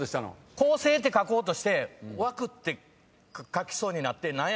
「恒星」って書こうとして「惑」って書きそうになって何や？